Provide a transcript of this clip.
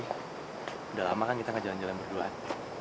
udah lama kan kita gak jalan jalan berduaan